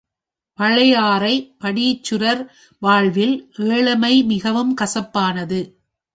பழையாறை பட்டீச்சுரர் வாழ்வில் ஏழைமை மிகவும் கசப்பானது.